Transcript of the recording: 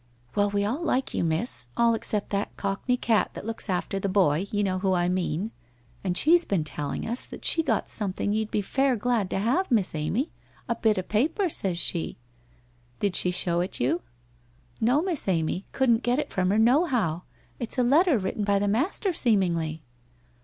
' Well, we all like you, Miss, all except that Cockney cat that looks after the boy, you know who I mean, and she's been telling us that WHITE ROSE OF WEARY LEAF 159 she got something you'd be fair glad to have, Miss Amy, a bit of paper, says she '' Did she show it you ?'' Xo, Miss Amy, couldn't get it from her nohow. It's a letter written by the master, seemingly